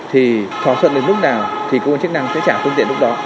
thì thỏa thuận đến lúc nào thì cơ quan chức năng sẽ trả phương tiện lúc đó